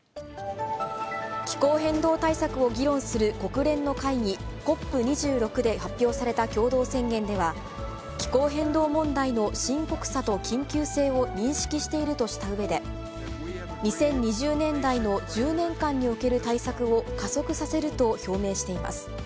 気候変動対策を議論する国連の会議、ＣＯＰ２６で発表された共同宣言では、気候変動問題の深刻さと緊急性を認識しているとしたうえで、２０２０年代の１０年間における対策を加速させると表明しています。